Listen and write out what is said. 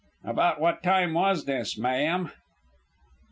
"About what time was this, ma'am?"